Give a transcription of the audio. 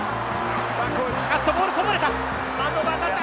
ボールこぼれた。